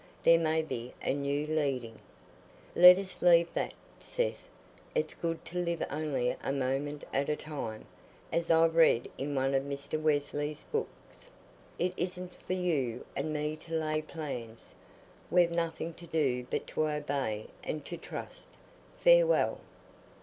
There may be a new leading." "Let us leave that, Seth. It's good to live only a moment at a time, as I've read in one of Mr. Wesley's books. It isn't for you and me to lay plans; we've nothing to do but to obey and to trust. Farewell."